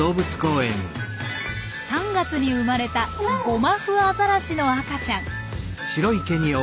３月に生まれたゴマフアザラシの赤ちゃん。